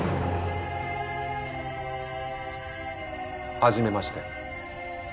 はじめまして。